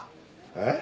えっ？